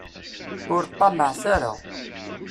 Ur ṭṭamaɛet ara.